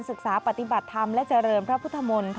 ศึกษาปฏิบัติธรรมและเจริญพระพุทธมนตร์